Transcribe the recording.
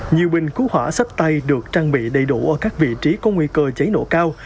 nhiều bình cứu hỏa sắp tay được trang bị đầy đủ ở các vị trí có nguy cơ cháy nổ cao